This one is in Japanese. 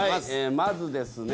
まずですね